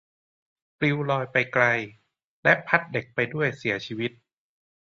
ปลิวลอยไปไกลและพัดเด็กไปด้วยเสียชีวิต